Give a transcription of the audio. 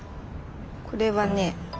これはね